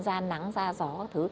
ra nắng ra gió các thứ